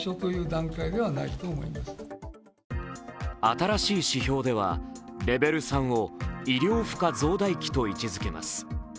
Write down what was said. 新しい指標では、レベル３を医療負荷増大期と位置づけます。